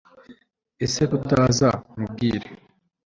ese ko utaza nkubwire